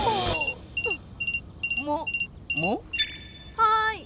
はい！